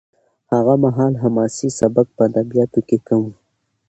هغه مهال حماسي سبک په ادبیاتو کې کم و.